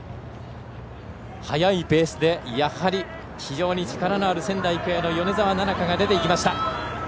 速いペースで非常に力のある仙台育英の米澤奈々香が出ていきました。